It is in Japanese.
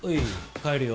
帰るよ。